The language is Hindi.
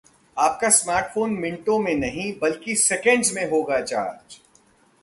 आपका स्मार्टफोन मिनटों में नहीं बल्कि सेकंड्स में होगा चार्ज